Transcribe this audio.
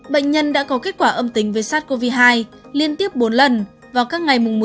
bệnh nhân đã có kết quả âm tính với sars cov hai liên tiếp bốn lần vào các ngày một mươi